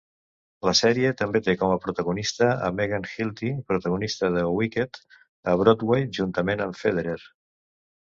La sèrie també té com a protagonista a Megan Hilty, protagonista de "Wicked" a Broadway juntament amb Federer.